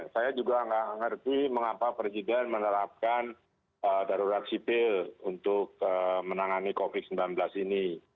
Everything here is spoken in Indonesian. saya juga nggak ngerti mengapa presiden menerapkan darurat sipil untuk menangani covid sembilan belas ini